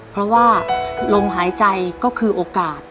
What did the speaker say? เพราะว่าลมหายใจก็คือโอกาส